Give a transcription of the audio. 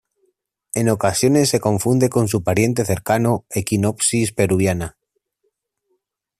En ocasiones se confunde con su pariente cercano "Echinopsis peruviana".